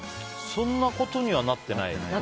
そんなことにはなってないね。